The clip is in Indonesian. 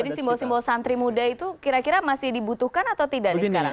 jadi simbol simbol santri muda itu kira kira masih dibutuhkan atau tidak nih sekarang